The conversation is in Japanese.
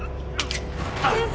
先生！？